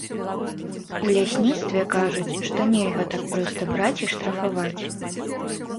У лясніцтве кажуць, што нельга так проста браць і штрафаваць.